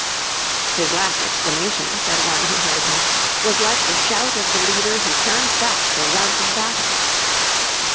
"His last exclamation," said one who heard him, "was like the shout of the leader who turns back the rout of battle."